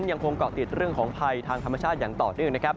ยังคงเกาะติดเรื่องของภัยทางธรรมชาติอย่างต่อเนื่องนะครับ